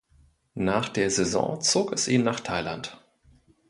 Nach der Saison zog es ihn nach Thailand.